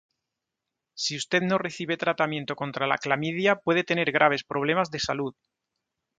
Si usted no recibe tratamiento contra la clamidia puede tener graves problemas de salud.